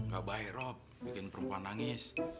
gak baik rob bikin perempuan nangis